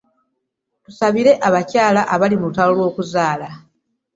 Tusabire abakyala abali mu lutalo lw'okuzaala.